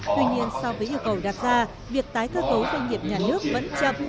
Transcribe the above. tuy nhiên so với yêu cầu đặt ra việc tái cơ cấu doanh nghiệp nhà nước vẫn chậm